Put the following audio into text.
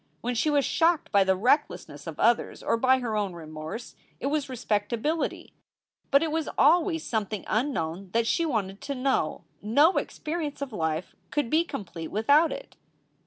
When she was shocked by the recklessness of others or by her own remorse, it was respectability. But it was always something unknown that she wanted to know. No experi ence of life could be complete without it.